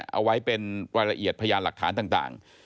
เอาไว้เป็นรายละเอียดพยานหลักฐานต่าง